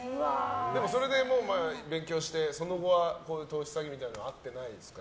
でもそれで勉強して、その後は投資詐欺みたいなのは遭ってないですか？